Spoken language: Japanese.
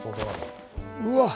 うわっ！